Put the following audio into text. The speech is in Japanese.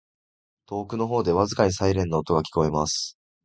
•遠くの方で、微かにサイレンの音が聞こえます。